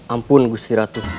ampun gusti ratu